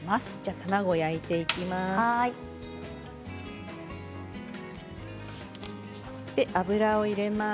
卵を焼いていきます。